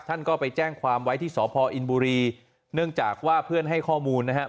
ท่านก็ไปแจ้งความไว้ที่สพอินบุรีเนื่องจากว่าเพื่อนให้ข้อมูลนะครับ